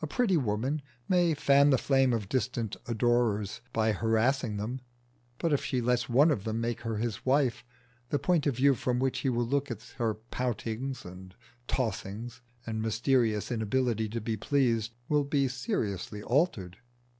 A pretty woman may fan the flame of distant adorers by harassing them, but if she lets one of them make her his wife, the point of view from which he will look at her poutings and tossings and mysterious inability to be pleased will be seriously altered.